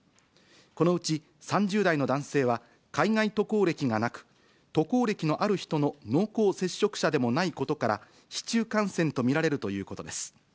このうち、３０代の男性は、海外渡航歴がなく、渡航歴のある人の濃厚接触者でもないことから、市中感染と見られるということです。